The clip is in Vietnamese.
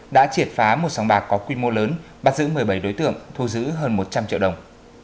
đã triệt phá một sòng bạc có quy mô lớn bắt giữ một mươi bảy đối tượng thu giữ hơn một trăm linh triệu đồng